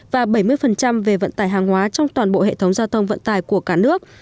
và bảy mươi về vận tải hàng hóa trong toàn bộ hệ thống giao thông vận tải của cả nước